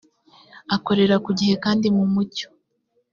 akorera ku gihe kandi mu mucyo